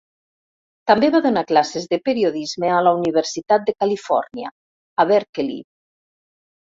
També va donar classes de periodisme a la Universitat de Califòrnia, a Berkeley.